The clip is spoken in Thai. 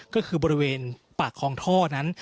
ก็คือบริเวณปากคลองท่อนั้น